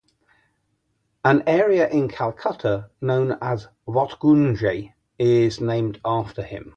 An area in Calcutta known as Watgunge is named after him.